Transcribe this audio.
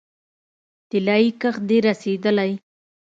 طلايي کښت دې رسیدلی